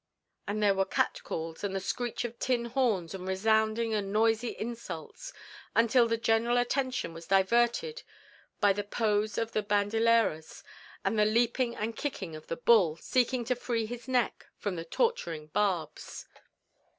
And there were cat calls and the screech of tin horns, and resounding and noisy insults, until the general attention was diverted by the pose of the banderillas and the leaping and kicking of the bull, seeking to free his neck from the torturing barbs.